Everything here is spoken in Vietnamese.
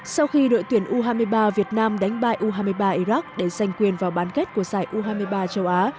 sau khi đội tuyển u hai mươi ba việt nam đánh bài u hai mươi ba iraq để giành quyền vào bán kết của giải u hai mươi ba châu á